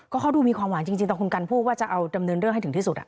เขาดูมีความหวังจริงตอนคุณกันพูดว่าจะเอาดำเนินเรื่องให้ถึงที่สุด